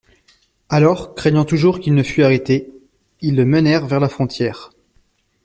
Alors, craignant toujours qu'il ne fût arrêté, ils le menèrent vers la frontière.